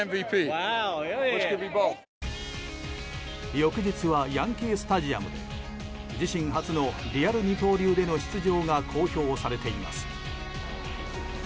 翌日はヤンキー・スタジアムで自身初のリアル二刀流での出場が公表されています。